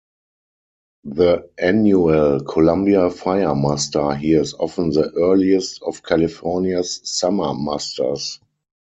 The annual Columbia Fire Muster here is often the earliest of California's summer musters.